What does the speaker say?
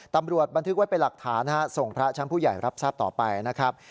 บันทึกไว้เป็นหลักฐานส่งพระชั้นผู้ใหญ่รับทราบต่อไปนะครับ